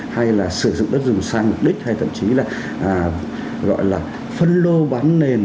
hay là sử dụng đất dùng sang mục đích hay thậm chí là gọi là phân lô bán nền